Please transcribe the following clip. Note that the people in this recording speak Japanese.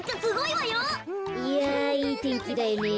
いやいいてんきだよね。